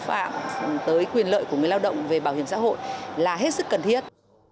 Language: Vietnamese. phạm tới quyền lợi của người lao động về bảo hiểm xã hội là hết sức cần thiết